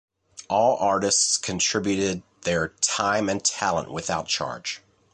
All artists contributed their time and talent without charge.